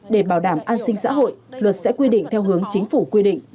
để bảo đảm an sinh xã hội luật sẽ quy định theo hướng chính phủ quy định